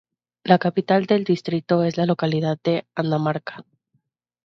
La capital del distrito es la localidad de Andamarca.